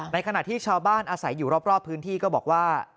ขณะที่ชาวบ้านอาศัยอยู่รอบพื้นที่ก็บอกว่า